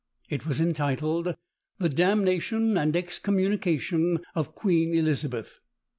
It was entitled _The Damnation and Excommunication of Queen Elizabeth.